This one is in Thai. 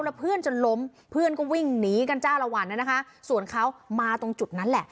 แล้วเพื่อนจนล้มเพื่อนก็วิ่งหนีกันจ้าละวันนะคะส่วนเขามาตรงจุดนั้นแหละ